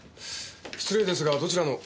失礼ですがどちらの。